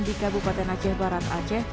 di kabupaten aceh barat aceh